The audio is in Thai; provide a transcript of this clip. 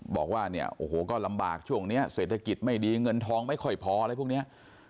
บอกว่าเนี่ยโอ้โหก็ลำบากช่วงนี้เศรษฐกิจไม่ดีเงินทองไม่ค่อยพออะไรพวกนี้